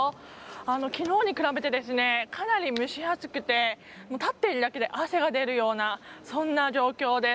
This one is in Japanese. きのうに比べてかなり蒸し暑くて立っているだけで汗が出るようなそんな状況です。